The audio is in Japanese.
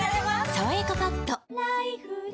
「さわやかパッド」